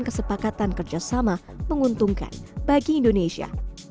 kesepakatan kerjasama menguntungkan bagi indonesia